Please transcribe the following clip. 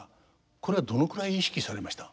これはどのくらい意識されました？